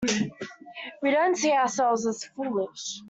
We don't see ourselves as foolish.